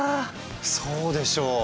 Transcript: そうでしょう？